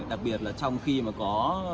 đặc biệt là trong khi mà có